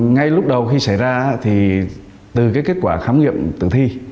ngay lúc đầu khi xảy ra thì từ kết quả khám nghiệm tử thi